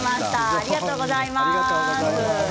ありがとうございます。